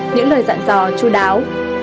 những lời dặn dò chú đáo